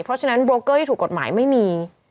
เพราะฉะนั้นโบรกเกอร์ที่ถูกกฎหมายไม่มี